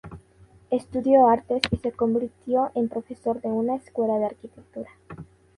Estudio Artes y se convirtió en profesor de una escuela de Arquitectura.